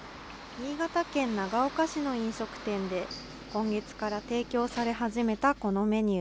新潟県長岡市の飲食店で、今月から提供され始めたこのメニュー。